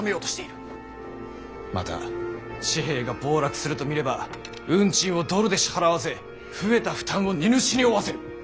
また紙幣が暴落すると見れば運賃をドルで支払わせ増えた負担を荷主に負わせる。